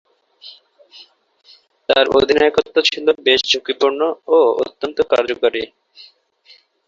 তার অধিনায়কত্ব ছিল বেশ ঝুঁকিপূর্ণ ও অত্যন্ত কার্যকরী।